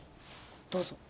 どうぞ。